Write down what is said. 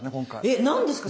えっ何ですか？